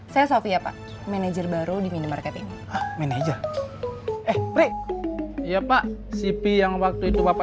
saya sofia pak manajer baru di minimarketing manajer eh tiga ya pak si piang waktu itu apa